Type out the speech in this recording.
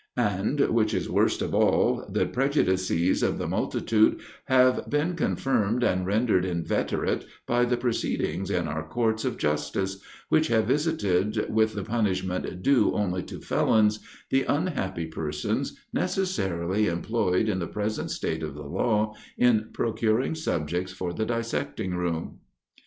And, which is worst of all, the prejudices of the multitude have been confirmed and rendered inveterate by the proceedings in our courts of justice, which have visited with the punishment due only to felons, the unhappy persons necessarily employed in the present state of the law, in procuring subjects for the dissecting room."